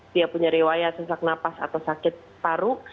dia punya rewayat susah napas atau sakit paru